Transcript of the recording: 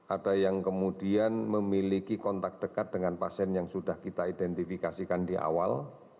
ada yang kemudian memiliki kontak dekat dengan pasien yang sudah kita identifikasikan di awal